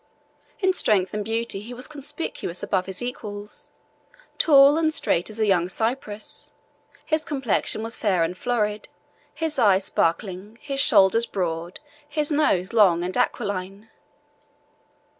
In strength and beauty he was conspicuous above his equals: tall and straight as a young cypress, his complexion was fair and florid, his eyes sparkling, his shoulders broad, his nose long and aquiline.